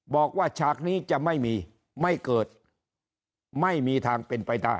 ฉากนี้จะไม่มีไม่เกิดไม่มีทางเป็นไปได้